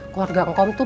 keluarga ngkom tuh